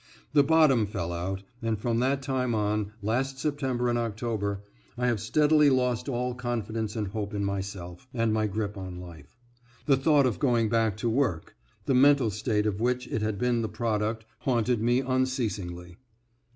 The bottom fell out, and from that time on, last September and October, I have steadily lost all confidence and hope in myself, and my grip on life. The thought of going back to work .... the mental state of which it had been the product, haunted me unceasingly.